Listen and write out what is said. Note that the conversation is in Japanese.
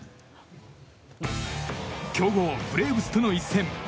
強豪ブレーブスとの一戦。